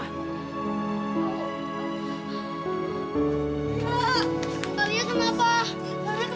pak pak lian apa